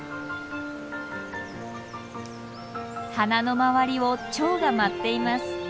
花の周りをチョウが舞っています。